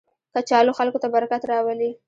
کچالو خلکو ته برکت راولي